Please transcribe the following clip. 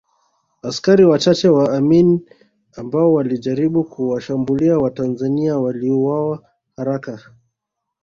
Askari wachache wa Amin ambao walijaribu kuwashambulia Watanzania waliuawa haraka